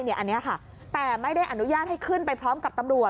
อันนี้ค่ะแต่ไม่ได้อนุญาตให้ขึ้นไปพร้อมกับตำรวจ